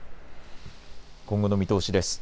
今後の見通しです。